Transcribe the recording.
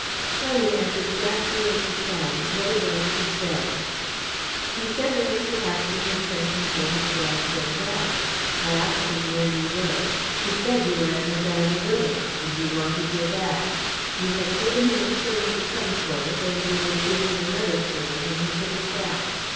"Tell me, as exactly as you can, what it was he said." "He said that Mr. Paxton had sent him for his Gladstone bag. I asked him where you were. He said you were at Medina Villas, and you wanted your bag. You had given him a shilling to come for it, and you were to give him another shilling when he took it back.